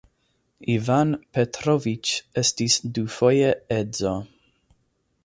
Ivan Petroviĉ estis dufoje edzo.